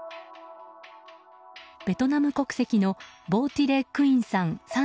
ベトナム国籍のヴォ・ティ・レ・クインさん